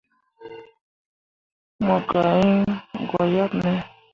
Mo gah yĩĩ goyaɓ me.